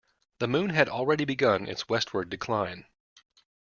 The moon had already begun its westward decline.